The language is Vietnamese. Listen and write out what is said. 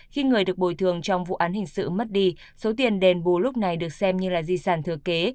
khi người được bồi thường trong vụ án hình sự mất đi số tiền đền bù lúc này được xem như là di sản thừa kế